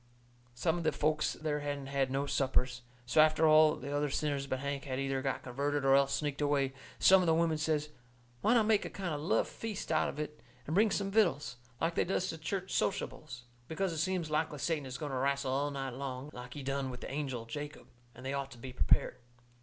Some of the folks there hadn't had no suppers, so after all the other sinners but Hank had either got converted or else sneaked away, some of the women says why not make a kind of love feast out of it, and bring some vittles, like they does to church sociables. Because it seems likely Satan is going to wrastle all night long, like he done with the angel Jacob, and they ought to be prepared.